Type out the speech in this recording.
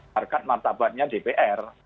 harga martabatnya dpr